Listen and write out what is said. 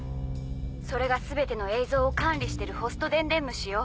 それが全ての映像を管理してるホスト電伝虫よ。